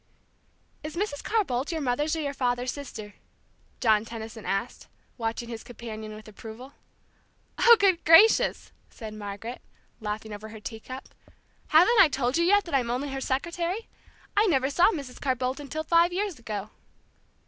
"Is Mrs. Carr Bolt your mother's or your father's sister?" John Tension asked, watching his companion with approval. "Oh, good gracious!" said Margaret, laughing over her teacup. "Haven't I told you yet that I'm only her secretary? I never saw Mrs. Carr Bolt until five years ago."